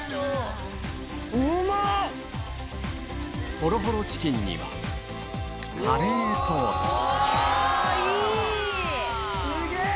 ほろほろチキンにはカレーソースすげぇ！